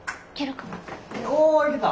おいけた！